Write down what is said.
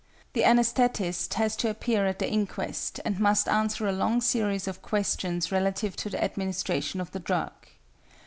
The anæsthetist has to appear at the inquest, and must answer a long series of questions relative to the administration of the drug.